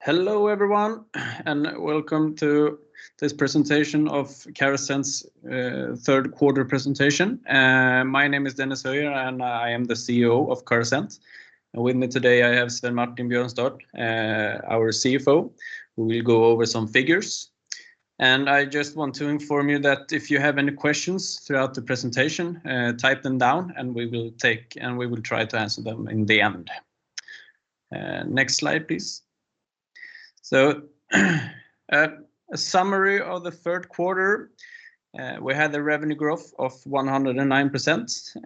Hello, everyone, and welcome to this presentation of Carasent's third quarter presentation. My name is Dennis Höjer, and I am the CEO of Carasent. With me today, I have Svein-Martin Bjørnstad, our CFO, who will go over some figures. I just want to inform you that if you have any questions throughout the presentation, type them down, and we will try to answer them in the end. Next slide, please. A summary of the third quarter, we had the revenue growth of 109%,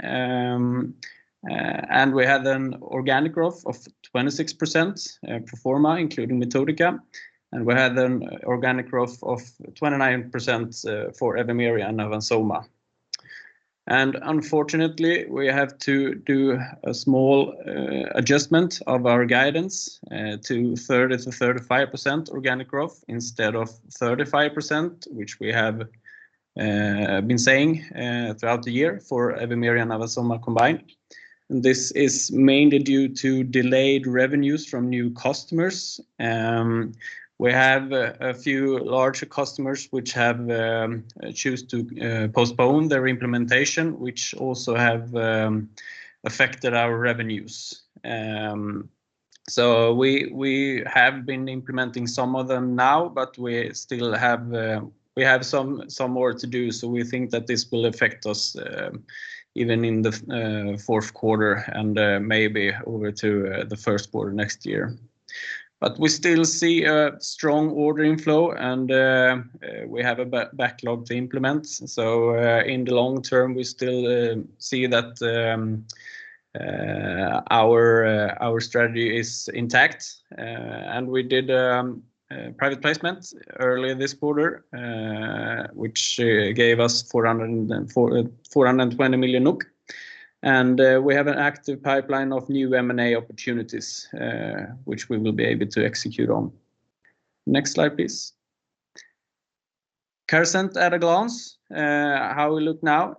and we had an organic growth of 26%, pro forma, including Metodika, and we had an organic growth of 29%, for Evimeria and Avans Soma. Unfortunately, we have to do a small adjustment of our guidance to 30%-35% organic growth instead of 35%, which we have been saying throughout the year for Evimeria and Avans Soma combined. This is mainly due to delayed revenues from new customers. We have a few larger customers which have choose to postpone their implementation, which also have affected our revenues. We have been implementing some of them now, but we still have some more to do, so we think that this will affect us even in the fourth quarter and maybe over to the first quarter next year. We still see a strong ordering flow, and we have a backlog to implement. In the long term, we still see that our strategy is intact, and we did a private placement early this quarter, which gave us 420 million NOK. We have an active pipeline of new M&A opportunities, which we will be able to execute on. Next slide, please. Carasent at a glance, how we look now.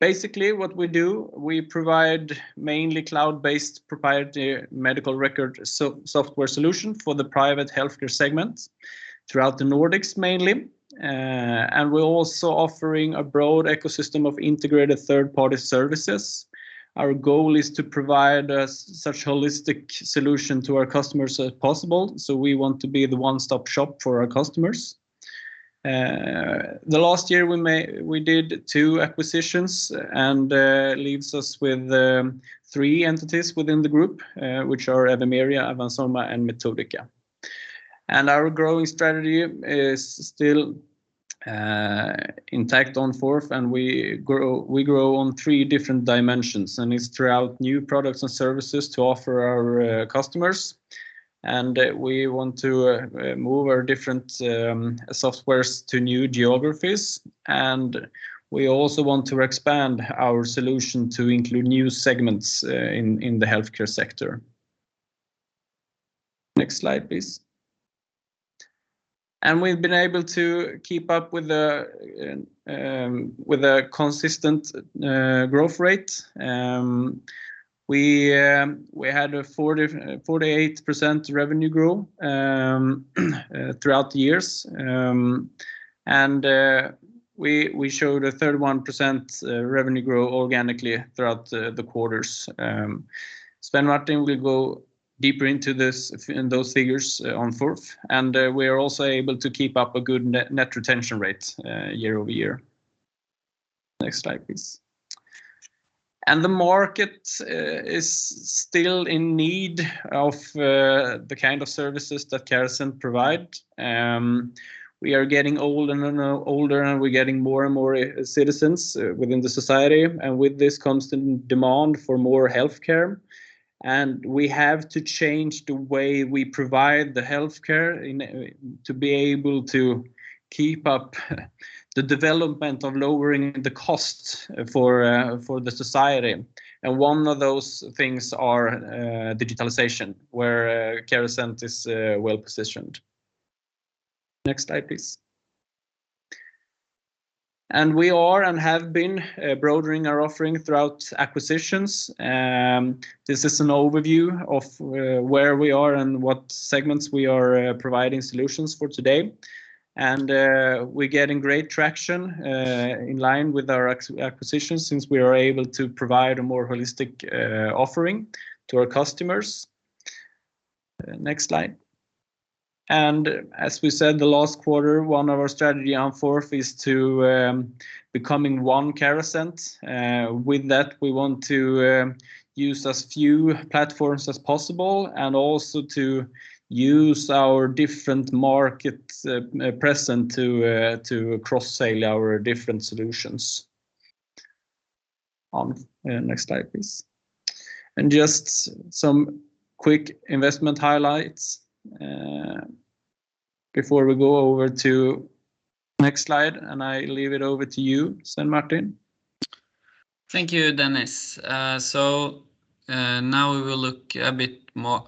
Basically what we do, we provide mainly cloud-based proprietary medical record software solution for the private healthcare segment throughout the Nordics mainly. We're also offering a broad ecosystem of integrated third-party services. Our goal is to provide a such holistic solution to our customers as possible, so we want to be the one-stop shop for our customers. The last year, we may... We did two acquisitions, and that leaves us with three entities within the group, which are Evimeria, Avans Soma, and Metodika. Our growth strategy is still intact in Q4, and we grow on three different dimensions, and it's through new products and services to offer our customers, and we want to move our different softwares to new geographies, and we also want to expand our solution to include new segments in the healthcare sector. Next slide, please. We've been able to keep up with a consistent growth rate. We had a 48% revenue growth throughout the years, and we showed a 31% revenue growth organically throughout the quarters. Svein-Martin will go deeper into this, in those figures on Q4, and we are also able to keep up a good net retention rate year-over-year. Next slide, please. The market is still in need of the kind of services that Carasent provide. We are getting older and older, and we're getting more and more citizens within the society, and with this comes the demand for more healthcare, and we have to change the way we provide the healthcare in order to be able to keep up the development of lowering the costs for the society. One of those things are digitalization, where Carasent is well-positioned. Next slide, please. We are and have been broadening our offering through acquisitions. This is an overview of where we are and what segments we are providing solutions for today. We're getting great traction in line with our acquisitions since we are able to provide a more holistic offering to our customers. Next slide. As we said the last quarter, one of our strategies number four is to becoming One Carasent. With that, we want to use as few platforms as possible and also to use our different market presence to cross-sell our different solutions. Next slide, please. Just some quick investment highlights before we go over to next slide, and I leave it over to you, Svein-Martin. Thank you, Dennis. Now we will look a bit more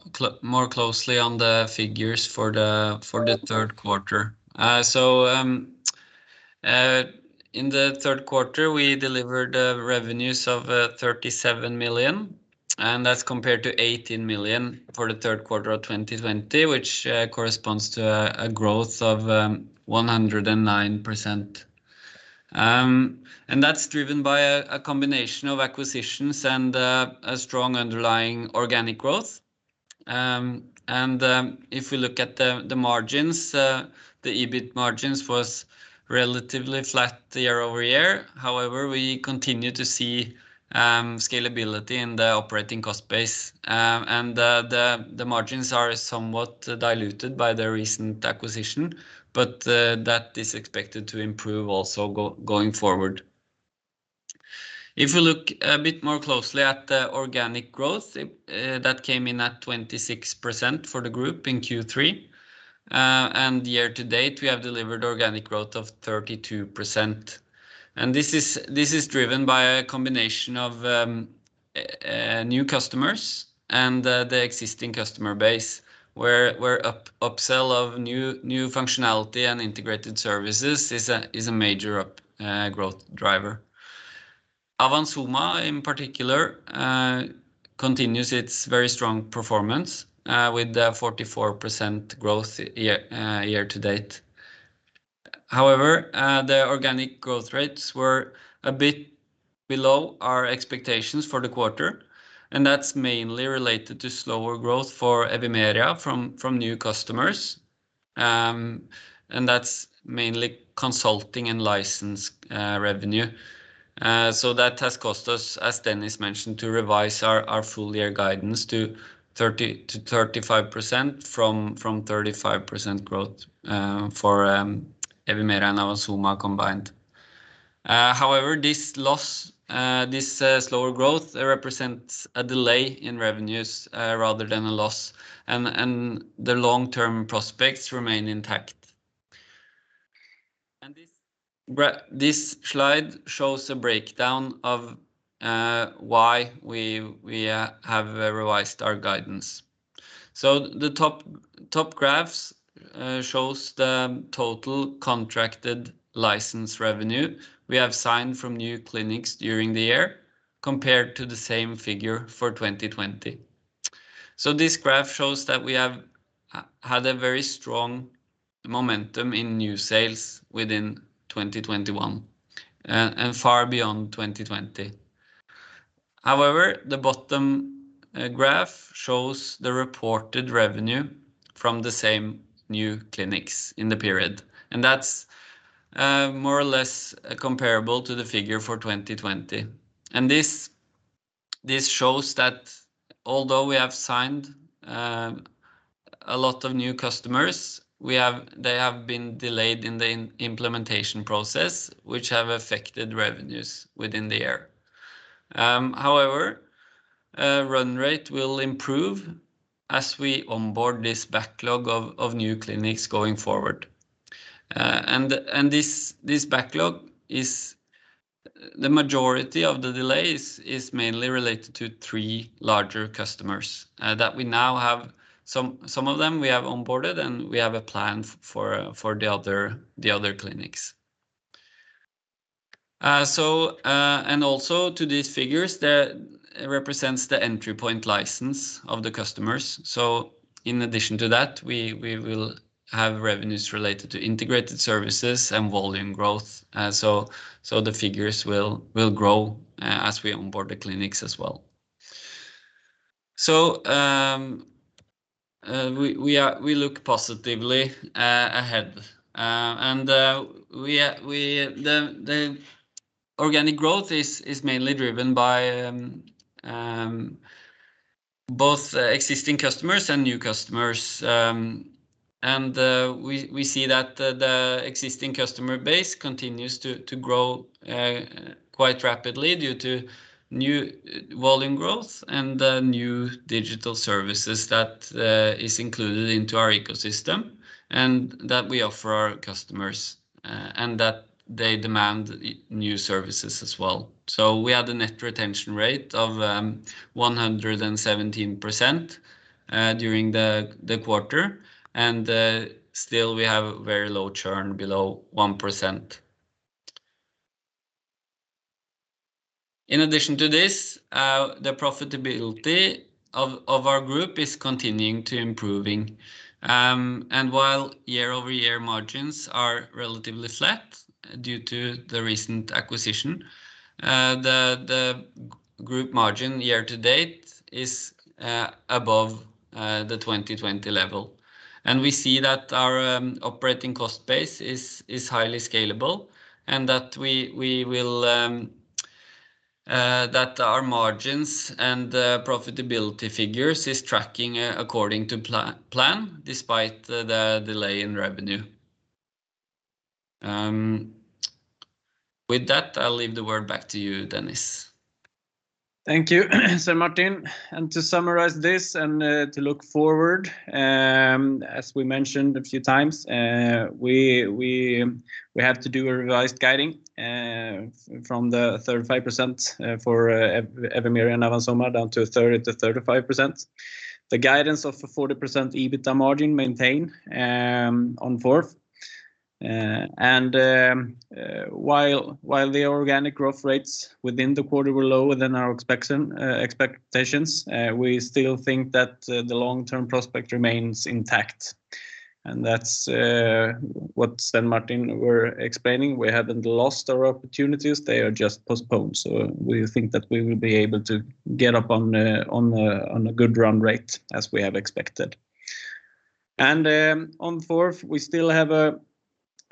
closely on the figures for the third quarter. In the third quarter, we delivered revenues of 37 million, and that's compared to 18 million for the third quarter of 2020, which corresponds to a growth of 109%. That's driven by a combination of acquisitions and a strong underlying organic growth. If we look at the margins, the EBIT margins was relatively flat year-over-year. However, we continue to see scalability in the operating cost base. The margins are somewhat diluted by the recent acquisition, but that is expected to improve also going forward. If we look a bit more closely at the organic growth, that came in at 26% for the group in Q3. Year to date, we have delivered organic growth of 32%. This is driven by a combination of new customers and the existing customer base, where upsell of new functionality and integrated services is a major growth driver. Avans Soma in particular continues its very strong performance with a 44% growth year to date. However, the organic growth rates were a bit below our expectations for the quarter, and that's mainly related to slower growth for Evimeria from new customers. That's mainly consulting and license revenue. That has caused us, as Dennis mentioned, to revise our full year guidance to 30%-35% from 35% growth for Evimeria and Avans Soma combined. However, this slower growth represents a delay in revenues rather than a loss, and the long-term prospects remain intact. This slide shows a breakdown of why we have revised our guidance. The top graph shows the total contracted license revenue we have signed from new clinics during the year compared to the same figure for 2020. This graph shows that we have had a very strong momentum in new sales within 2021, and far beyond 2020. However, the bottom graph shows the reported revenue from the same new clinics in the period. That's more or less comparable to the figure for 2020. This shows that although we have signed a lot of new customers, they have been delayed in the implementation process, which have affected revenues within the year. However, run rate will improve as we onboard this backlog of new clinics going forward. And this backlog is. The majority of the delays is mainly related to 3 larger customers that we now have. Some of them we have onboarded, and we have a plan for the other clinics. And also to these figures, it represents the entry point license of the customers. In addition to that, we will have revenues related to integrated services and volume growth. The figures will grow as we onboard the clinics as well. We look positively ahead. The organic growth is mainly driven by both existing customers and new customers. We see that the existing customer base continues to grow quite rapidly due to new volume growth and the new digital services that is included into our ecosystem and that we offer our customers and that they demand new services as well. We had a net retention rate of 117% during the quarter, and still we have very low churn, below 1%. In addition to this, the profitability of our group is continuing to improving. While year-over-year margins are relatively flat due to the recent acquisition, the group margin year-to-date is above the 2020 level. We see that our operating cost base is highly scalable and that our margins and profitability figures is tracking according to plan despite the delay in revenue. With that, I'll leave the word back to you, Dennis. Thank you, Svein-Martin. To summarize this and to look forward, as we mentioned a few times, we have to do a revised guidance from the 35% for Evimeria and Avans Soma down to 30%-35%. The guidance of a 40% EBITDA margin maintained in Q4. While the organic growth rates within the quarter were lower than our expectations, we still think that the long-term prospects remain intact. That's what Svein-Martin were explaining. We haven't lost our opportunities, they are just postponed. We think that we will be able to get up on a good run rate as we have expected. In Q4, we still have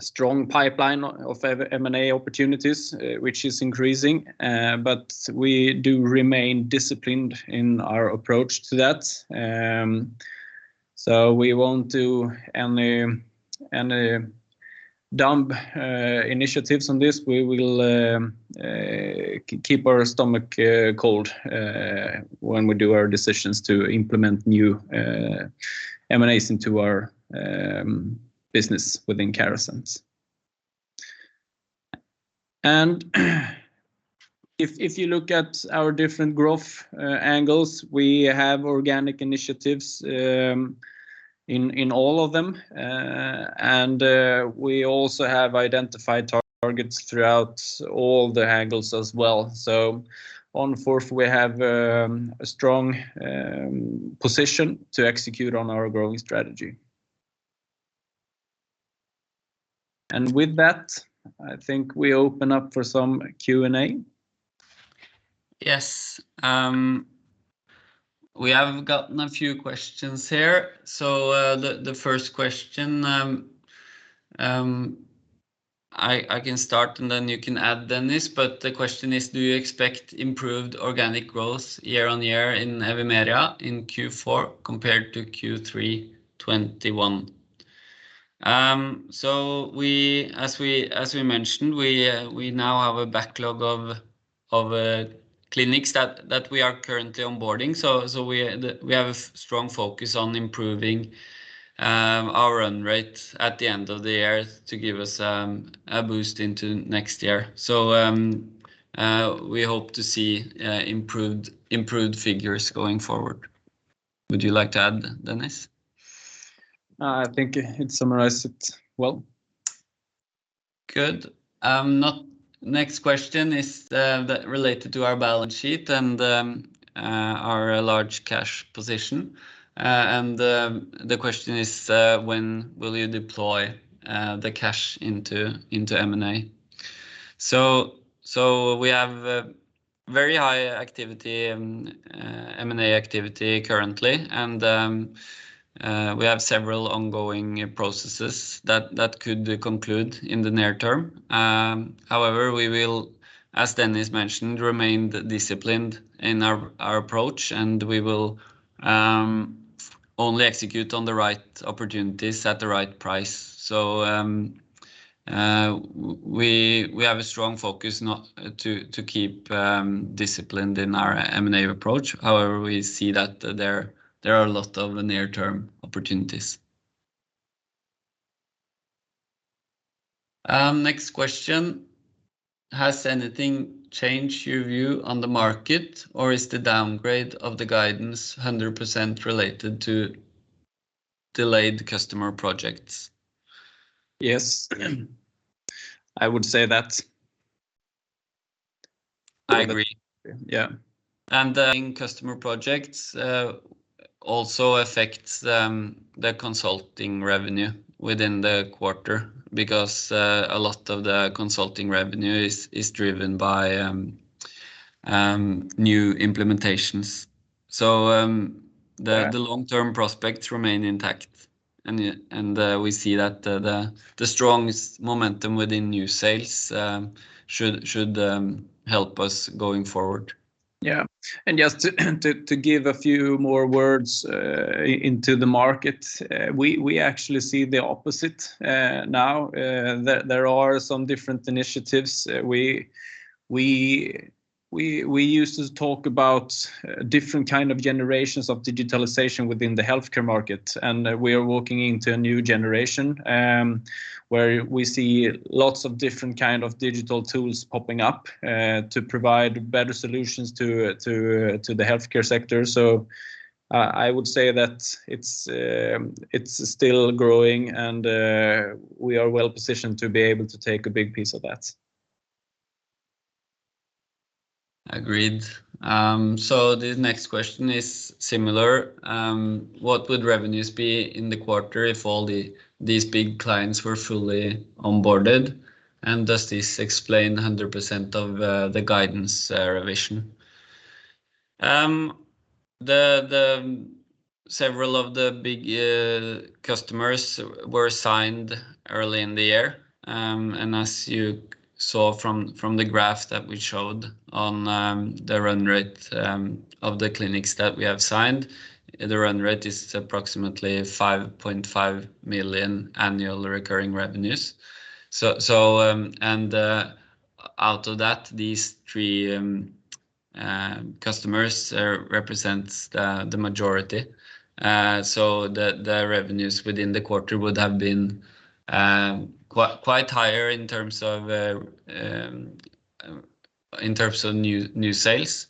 a strong pipeline of M&A opportunities, which is increasing. We do remain disciplined in our approach to that. We won't do any dumb initiatives on this. We will keep a cool head when we make our decisions to implement new M&As into our business within Carasent. If you look at our different growth angles, we have organic initiatives in all of them. We also have identified targets throughout all the angles as well. On all fronts, we have a strong position to execute on our growth strategy. With that, I think we open up for some Q&A. Yes. We have gotten a few questions here. The first question, I can start and then you can add, Dennis. The question is, do you expect improved organic growth year-on-year in Evimeria in Q4 compared to Q3 2021? As we mentioned, we now have a backlog of clinics that we are currently onboarding. We have a strong focus on improving our run rate at the end of the year to give us a boost into next year. We hope to see improved figures going forward. Would you like to add, Dennis? I think it summarized it well. Good. Now next question is related to our balance sheet and our large cash position. The question is, when will you deploy the cash into M&A? We have a very high M&A activity currently. We have several ongoing processes that could conclude in the near term. However, we will, as Dennis mentioned, remain disciplined in our approach, and we will only execute on the right opportunities at the right price. We have a strong focus to keep disciplined in our M&A approach. However, we see that there are a lot of near-term opportunities. Next question, has anything changed your view on the market, or is the downgrade of the guidance 100% related to delayed customer projects? Yes. I would say that. I agree. Yeah. The customer projects also affects the consulting revenue within the quarter because a lot of the consulting revenue is driven by new implementations. Yeah. The long-term prospects remain intact. We see that the strongest momentum within new sales should help us going forward. Yeah. Just to give a few more words into the market, we used to talk about different kind of generations of digitalization within the healthcare market, and we are walking into a new generation, where we see lots of different kind of digital tools popping up to provide better solutions to the healthcare sector. So I would say that it's still growing and we are well positioned to be able to take a big piece of that. Agreed. The next question is similar. What would revenues be in the quarter if all these big clients were fully onboarded? Does this explain 100% of the guidance revision? Several of the big customers were signed early in the year. As you saw from the graph that we showed on the run rate of the clinics that we have signed, the run rate is approximately 5.5 million annual recurring revenues. Out of that, these three customers represents the majority. The revenues within the quarter would have been quite higher in terms of new sales,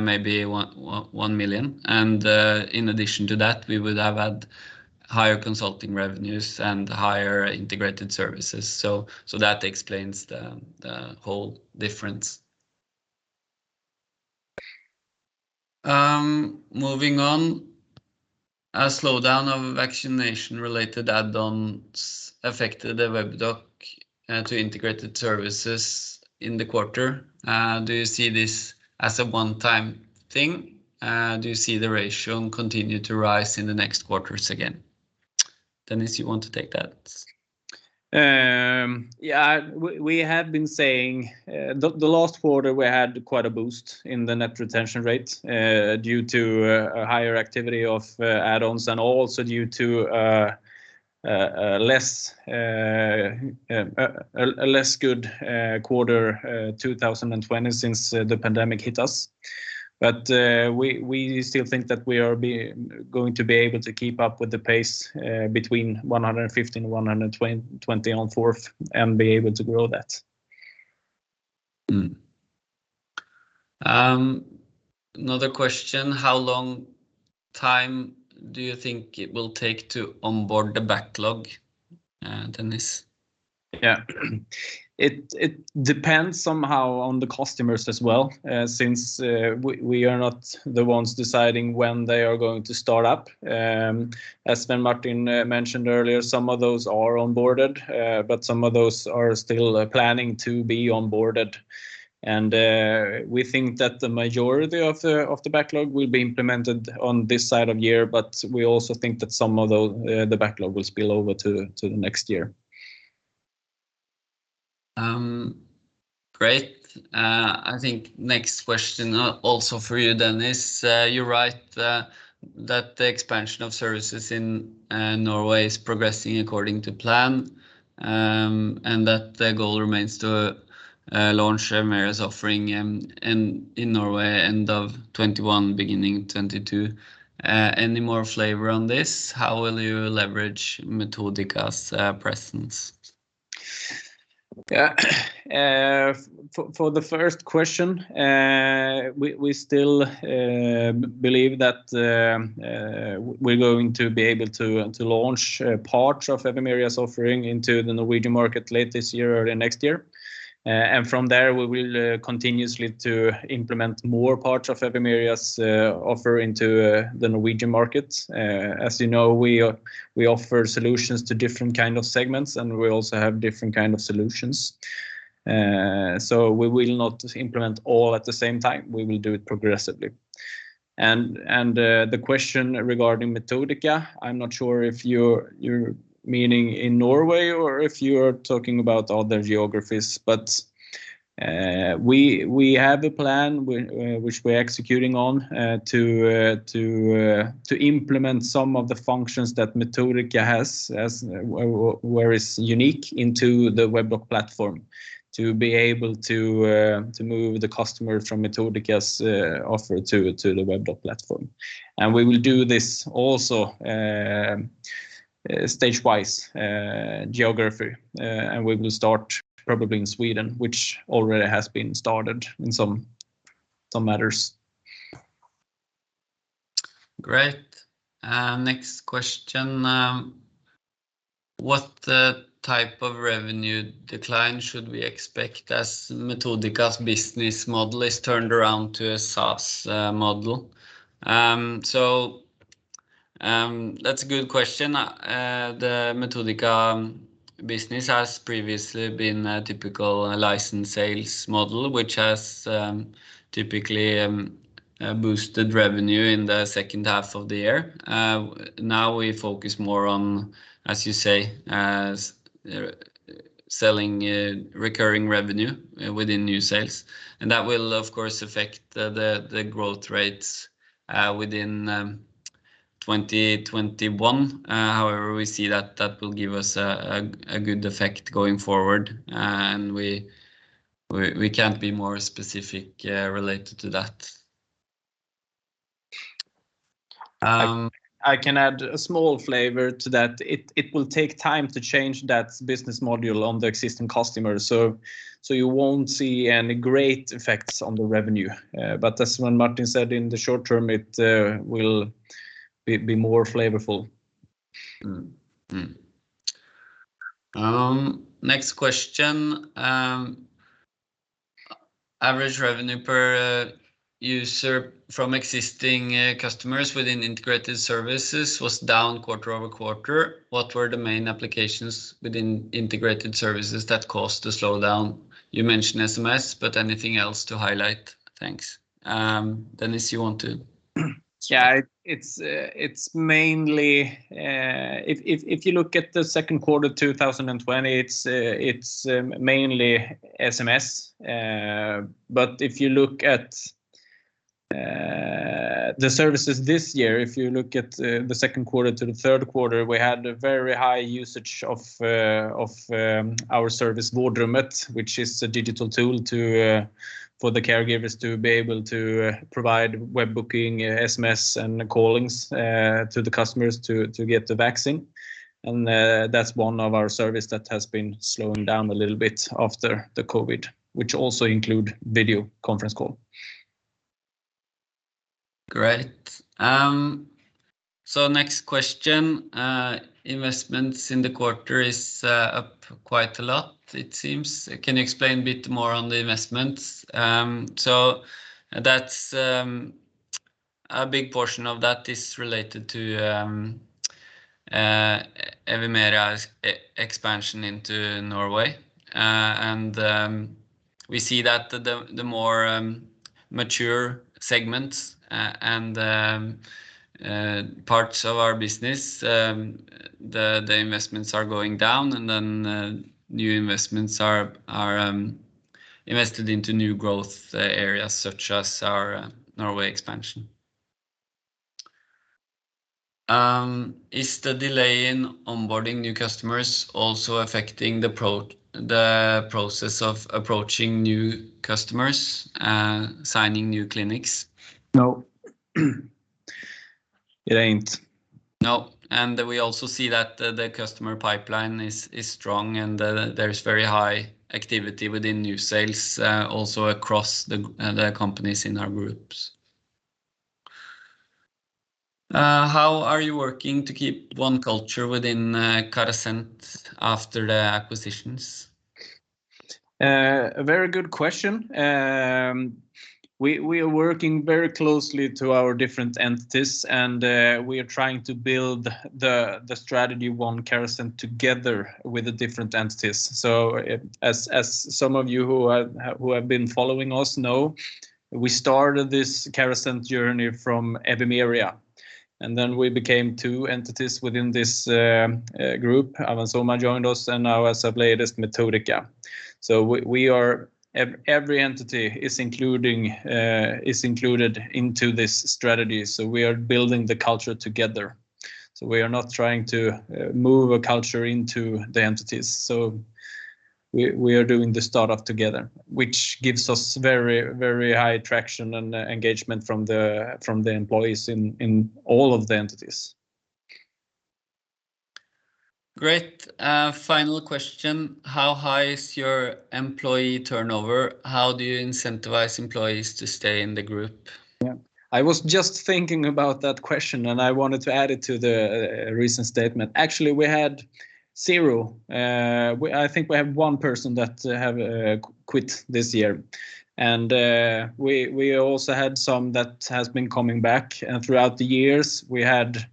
maybe 1 million. In addition to that, we would have had higher consulting revenues and higher integrated services. That explains the whole difference. Moving on, a slowdown of vaccination-related add-ons affected the Webdoc to integrated services in the quarter. Do you see this as a one-time thing? Do you see the ratio continue to rise in the next quarters again? Dennis, you want to take that? We have been saying the last quarter we had quite a boost in the net retention rate due to a higher activity of add-ons and also due to a less good quarter in 2020 since the pandemic hit us. We still think that we are going to be able to keep up with the pace between 115%-120% in Q4 and be able to grow that. Another question, how long time do you think it will take to onboard the backlog, Dennis? Yeah. It depends somehow on the customers as well, since we are not the ones deciding when they are going to start up. As Svein-Martin mentioned earlier, some of those are onboarded, but some of those are still planning to be onboarded. We think that the majority of the backlog will be implemented on this side of year, but we also think that some of the backlog will spill over to the next year. Great. I think next question, also for you, Dennis. You write that the expansion of services in Norway is progressing according to plan, and that the goal remains to launch Evimeria's offering in Norway, end of 2021, beginning 2022. Any more flavor on this? How will you leverage Metodika's presence? For the first question, we still believe that we're going to be able to launch parts of Evimeria's offering into the Norwegian market late this year or the next year. From there, we will continue to implement more parts of Evimeria's offering to the Norwegian market. As you know, we offer solutions to different kind of segments, and we also have different kind of solutions. We will not implement all at the same time. We will do it progressively. The question regarding Metodika, I'm not sure if you're meaning in Norway or if you're talking about other geographies. We have a plan which we're executing on to implement some of the functions that Metodika has where it's unique into the Webdoc platform, to be able to move the customer from Metodika's offer to the Webdoc platform. We will do this also stage-wise geography. We will start probably in Sweden, which already has been started in some matters. Great. Next question, what type of revenue decline should we expect as Metodika's business model is turned around to a SaaS model? That's a good question. The Metodika business has previously been a typical license sales model, which has typically boosted revenue in the second half of the year. Now we focus more on, as you say, selling recurring revenue within new sales, and that will of course affect the growth rates within 2021. However, we see that will give us a good effect going forward, and we can't be more specific related to that. I can add a small flavor to that. It will take time to change that business model on the existing customer, so you won't see any great effects on the revenue. But as Svein-Martin said, in the short term, it will be more flavorful. Next question. Average revenue per user from existing customers within integrated services was down quarter-over-quarter. What were the main applications within integrated services that caused the slowdown? You mentioned SMS, but anything else to highlight? Thanks. Dennis, you want to... Yeah. It's mainly if you look at the second quarter 2020, it's mainly SMS. But if you look at the services this year, if you look at the second quarter to the third quarter, we had a very high usage of our service Vårdrummet, which is a digital tool to for the caregivers to be able to provide web booking, SMS, and callings to the customers to get the vaccine. That's one of our service that has been slowing down a little bit after the COVID, which also include video conference call. Great. Next question. Investments in the quarter is up quite a lot it seems. Can you explain a bit more on the investments? That's. A big portion of that is related to Evimeria's expansion into Norway, and we see that the more mature segments and parts of our business, the investments are going down, and then new investments are invested into new growth areas such as our Norway expansion. Is the delay in onboarding new customers also affecting the process of approaching new customers, signing new clinics? No. It ain't. No. We also see that the customer pipeline is strong, and there's very high activity within new sales, also across the companies in our groups. How are you working to keep one culture within Carasent after the acquisitions? A very good question. We are working very closely with our different entities, and we are trying to build the strategy One Carasent together with the different entities. As some of you who have been following us know, we started this Carasent journey from Evimeria, and then we became two entities within this group. Avans Soma joined us, and now as of latest, Metodika. Every entity is included into this strategy, so we are building the culture together. We are not trying to move a culture into the entities. We are doing this startup together, which gives us very, very high traction and engagement from the employees in all of the entities. Great. Final question. How high is your employee turnover? How do you incentivize employees to stay in the group? Yeah. I was just thinking about that question, and I wanted to add it to the recent statement. Actually, we had zero. I think we have one person that have quit this year. We also had some that has been coming back. Throughout the years, we had,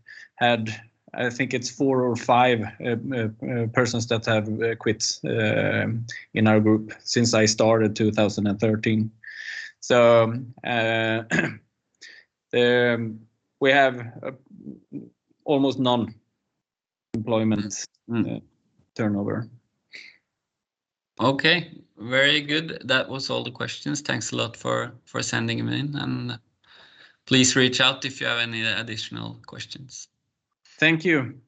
I think it's four or five persons that have quit in our group since I started 2013. We have almost none employment- Mm. Turnover. Okay. Very good. That was all the questions. Thanks a lot for sending them in, and please reach out if you have any additional questions. Thank you.